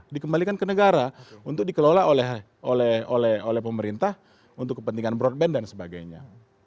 dikembalikan ke negara untuk dikelola oleh pemerintah untuk kepentingan broadband dan sebagainya